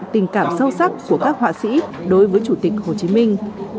tình cảm sâu sắc của các họa sĩ đối với chủ tịch hồ chí minh